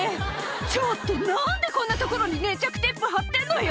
ちょっと何でこんな所に粘着テープ張ってんのよ！